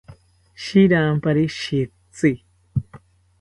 Shirampari shitzi